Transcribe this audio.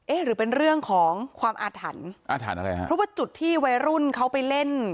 หรือเป็นเรื่องของความอาถรรพ์อาถรรพ์อะไรฮะเพราะว่าจุดที่วัยรุ่นเขาไปเล่น